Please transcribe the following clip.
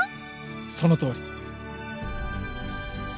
そのとおり。